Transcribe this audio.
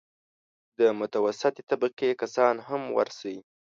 د متوسطې طبقې کسان هم ورشي.